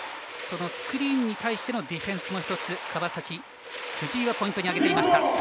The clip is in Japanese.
スクリーンに対してのディフェンスも１つ川崎、藤井がポイントに挙げていました。